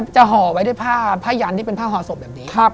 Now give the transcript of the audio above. ห่อไว้ด้วยผ้ายันที่เป็นผ้าห่อศพแบบนี้